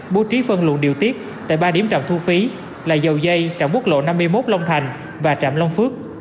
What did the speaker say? bố trí phân luận điều tiết tại ba điểm trạm thu phí là dầu dây trạm quốc lộ năm mươi một long thành và trạm long phước